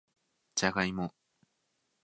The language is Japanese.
じゃがいも